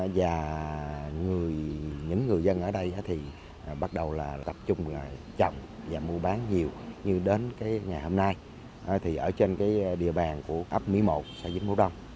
và những người dân ở đây thì bắt đầu là tập trung là trồng và mua bán nhiều như đến cái ngày hôm nay thì ở trên cái địa bàn của ấp mỹ một xã vĩnh hữu đông